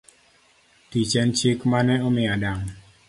Tich en chik mane omi Adam.